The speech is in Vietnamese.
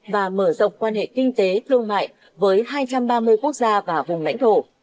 và mở rộng quan hệ kinh tế thương mại với hai trăm ba mươi quốc gia và vùng lãnh thổ